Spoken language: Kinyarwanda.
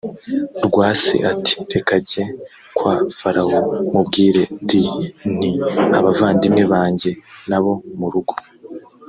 rwa se ati reka njye kwa farawo mubwire d nti abavandimwe banjye n abo mu rugo